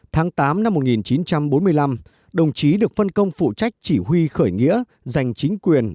tháng tám năm một nghìn chín trăm bốn mươi năm đồng chí được phân công phụ trách chỉ huy khởi nghĩa giành chính quyền